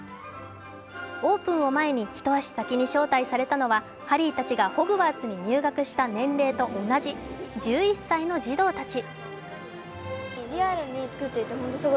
オープンを前に一足先に招待されたのはハリーたちがホグワーツに入学した年齢と同じ１１歳の児童たち。